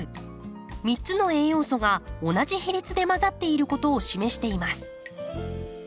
３つの栄養素が同じ比率で混ざっていることを示しています。